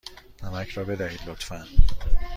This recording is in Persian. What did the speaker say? نمک را بدهید، لطفا.